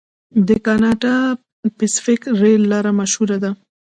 د کاناډا پیسفیک ریل لار مشهوره ده.